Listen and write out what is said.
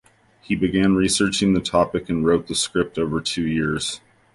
He began researching the topic and wrote the script over two years.